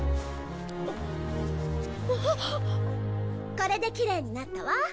これできれいになったわ。